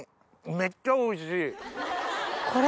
めっちゃおいしい。